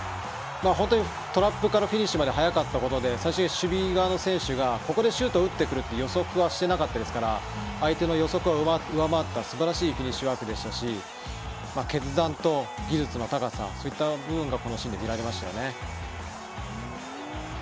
本当にトラップからフィニッシュまで速かったことで最終的に守備側の選手がここでシュートを打ってくると予測をしてなかったですから相手の予測を上回ったすばらしいフィニッシュワークでしたし決断と技術の高さそういった部分がこのシーンで見られましたよね。